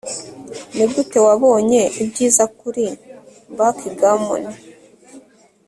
nigute wabonye ibyiza kuri backgammon